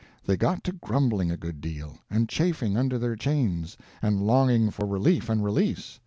They got to grumbling a good deal, and chafing under their chains, and longing for relief and release.